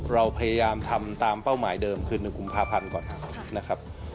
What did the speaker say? เราพยายามทำตามเป้าหมายเดิมคือ๑กุมภาพันธ์ก่อนนะครับ